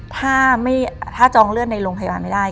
ถ้าจองเลือดในโรงพยาบาลไม่ได้